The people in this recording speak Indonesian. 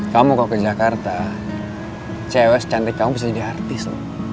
kamu kok ke jakarta cewek cantik kamu bisa jadi artis loh